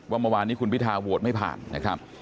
เมื่อวานนี้คุณพิทาโหวตไม่ผ่านนะครับ